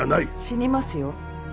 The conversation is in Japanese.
死にますよ